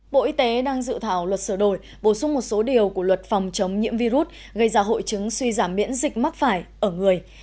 bộ y tế đang dự thảo luật sửa đổi bổ sung một số điều của luật phòng chống nhiễm virus gây ra hội chứng suy giảm miễn dịch mắc phải ở người